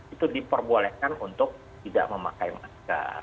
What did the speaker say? itu diperbolehkan untuk tidak memakai masker